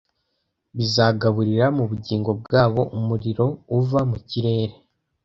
bizagaburira mu bugingo bwabo umuriro uva mu kirere